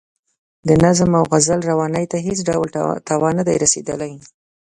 د نظم او غزل روانۍ ته هېڅ ډول تاوان نه دی رسیدلی.